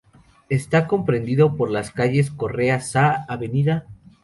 Está comprendido por las calles Correa Saa, Av.